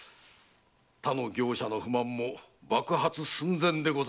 他の業者の不満も爆発寸前です。